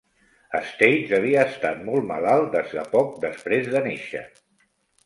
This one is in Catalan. States havia estat molt malalt des de poc després de néixer.